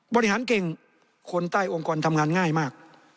บริหารเก่งคนใต้องค์กรทำงานง่ายมาก